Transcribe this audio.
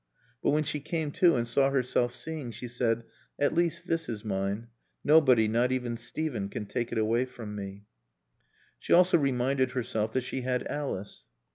But when she came to and saw herself seeing, she said, "At least this is mine. Nobody, not even Steven, can take it away from me." She also reminded herself that she had Alice.